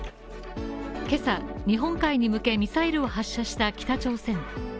今朝、日本海に向けミサイルを発射した北朝鮮。